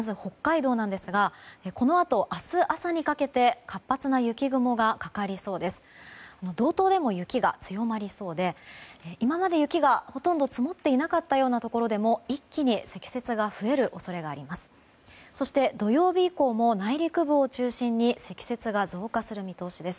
道東でも雪が強まりそうで今まで雪がほとんど積もっていなかったようなところでも一気に積雪が増える恐れがあります。